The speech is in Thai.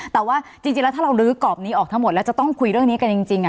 แต่ว่าจริงแล้วถ้าเราลื้อกรอบนี้ออกทั้งหมดแล้วจะต้องคุยเรื่องนี้กันจริง